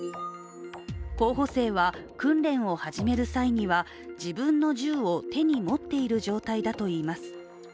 候補生は、訓練を始める際には自分の銃を手に持っている状態だといいます。